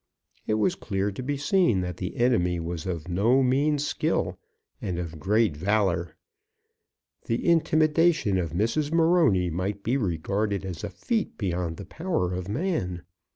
It was clear to be seen that the enemy was of no mean skill and of great valour. The intimidation of Mrs. Morony might be regarded as a feat beyond the power of man.